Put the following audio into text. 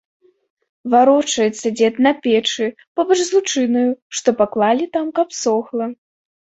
Варочаецца дзед на печы, побач з лучынаю, што паклалі там, каб сохла.